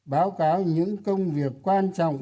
báo cáo những công việc quan trọng